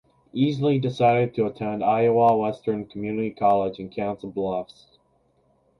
Easley decided to attend Iowa Western Community College in Council Bluffs.